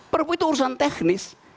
perpu itu urusan teknis